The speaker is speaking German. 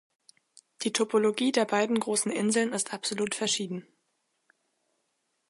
Die Topologie der beiden großen Inseln ist absolut verschieden.